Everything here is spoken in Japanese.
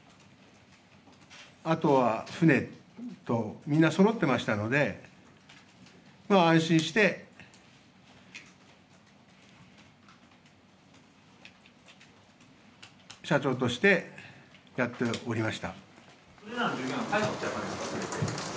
あとは船と、みんなそろってましたので、安心して社長としてやっておりました。